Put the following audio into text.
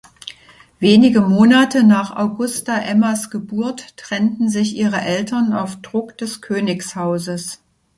Wenige Monate nach Augusta Emmas Geburt trennten sich ihre Eltern auf Druck des Königshauses.